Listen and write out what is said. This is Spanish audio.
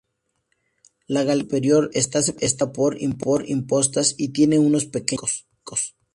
La galería superior está separada por impostas y tiene unos pequeños huecos.